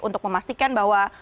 untuk memastikan bahwa